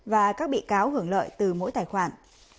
và các bị cáo hưởng lợi từ mỗi tài khoản